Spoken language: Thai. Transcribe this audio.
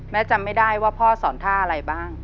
จำไม่ได้ว่าพ่อสอนท่าอะไรบ้าง